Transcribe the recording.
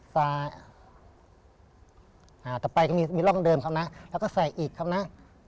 สาอ่าต่อไปก็มีมีร่องเดิมครับนะแล้วก็ใส่อีกครับนะ